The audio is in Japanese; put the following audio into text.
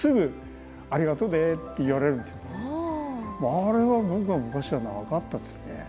あれは僕は昔はなかったですね。